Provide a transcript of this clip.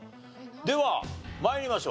では参りましょう。